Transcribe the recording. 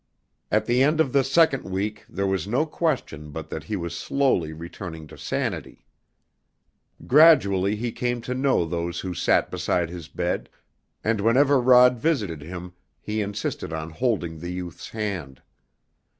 At the end of the second week there was no question but that he was slowly returning to sanity. Gradually he came to know those who sat beside his bed, and whenever Rod visited him he insisted on holding the youth's hand.